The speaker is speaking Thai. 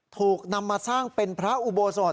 ถูกนำมาสร้างเป็นพระอุโบสถ